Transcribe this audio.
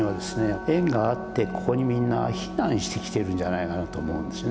縁があってここにみんな避難してきてるんじゃないかなと思うんですよね。